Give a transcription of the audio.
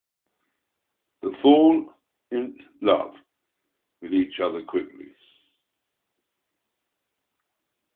The fall in love with each other quickly.